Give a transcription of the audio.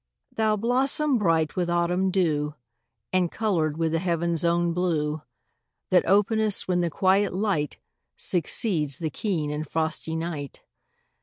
Thou blossom bright with autumn dew, And coloured with the heaven's own blue, That openest when the quiet light Succeeds the keen and frosty night.